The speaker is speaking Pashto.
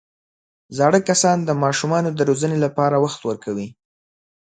زاړه کسان د ماشومانو د روزنې لپاره وخت ورکوي